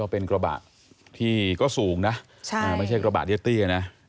เป็นกระบะที่ก็สูงกระบะยศตี้